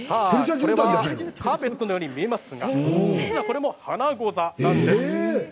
これカーペットのように見えますが実はこれも花ござなんです。